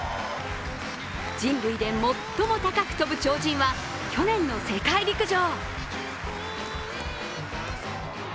人類で最も高く跳ぶ鳥人は去年の世界陸上